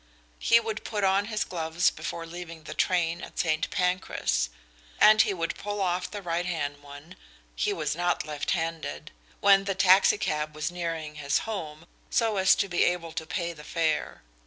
He would put on his gloves before leaving the train at St. Pancras. And he would pull off the right hand one he was not left handed when the taxi cab was nearing his home so as to be able to pay the fare.